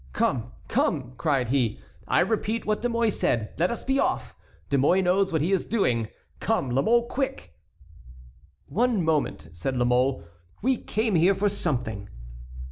"Come! come!" cried he; "I repeat what De Mouy said: Let us be off! De Mouy knows what he is doing. Come, La Mole, quick!" "One moment," said La Mole; "we came here for something."